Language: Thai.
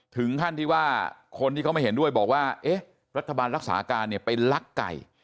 ถึงขั้นที่ว่าคนที่เขาไม่เห็นด้วยบอกว่าเอ๊ะรัฐบาลรักษาการเนี่ยไปลักไก่